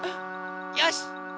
よし！